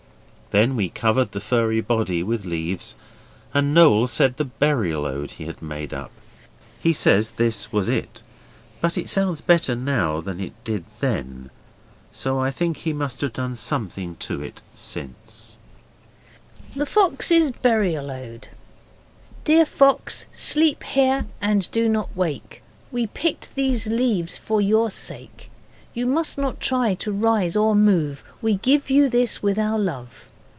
Then we covered the furry body with leaves, and Noel said the Burial Ode he had made up. He says this was it, but it sounds better now than it did then, so I think he must have done something to it since: THE FOX'S BURIAL ODE 'Dear Fox, sleep here, and do not wake, We picked these leaves for your sake You must not try to rise or move, We give you this with our love.